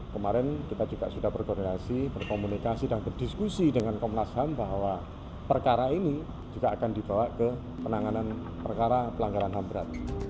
kemarin kita juga sudah berkoordinasi berkomunikasi dan berdiskusi dengan komnas ham bahwa perkara ini juga akan dibawa ke penanganan perkara pelanggaran ham berat